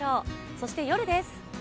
そして夜です。